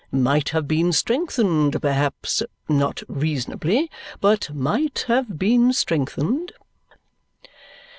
might have been strengthened, perhaps; not reasonably, but might have been strengthened."